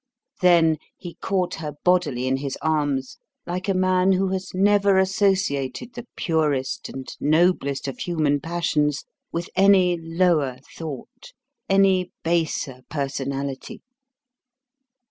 Then he caught her bodily in his arms like a man who has never associated the purest and noblest of human passions with any lower thought, any baser personality.